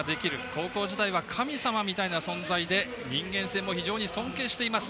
高校時代は神様みたいな存在で人間性も非常に尊敬しています。